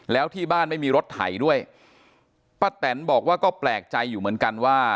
แล้วที่บ้านไม่มีรถไถด้วยป้าแตนบอกว่าก็แปลกใจอยู่เหมือนกันว่า